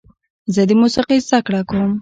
زه د موسیقۍ زده کړه کوم.